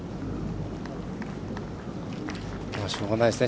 しょうがないですね。